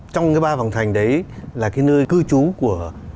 trong cái ba vòng thành đấy là cái nơi cư trú của